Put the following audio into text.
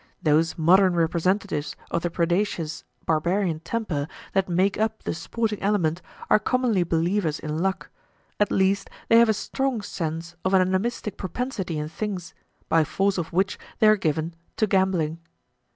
Those modern representatives of the predaceous barbarian temper that make up the sporting element are commonly believers in luck; at least they have a strong sense of an animistic propensity in things, by force of which they are given to gambling.